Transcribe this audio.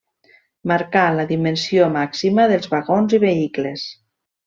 Marcar la dimensió màxima dels vagons i vehicles.